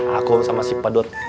aku sama si pedot